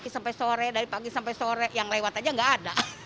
sampai sore dari pagi sampai sore yang lewat aja nggak ada